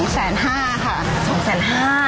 ๒แสน๕ค่ะ